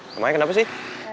namanya kenapa sih